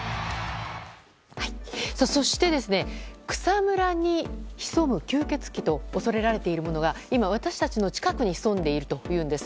そして草むらに潜む吸血鬼と恐れられているものが今、私たちの近くに潜んでいるというのです。